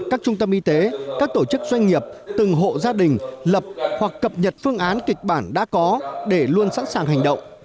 các trung tâm y tế các tổ chức doanh nghiệp từng hộ gia đình lập hoặc cập nhật phương án kịch bản đã có để luôn sẵn sàng hành động